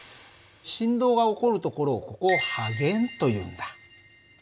振動が起こる所をここを波源というんだ。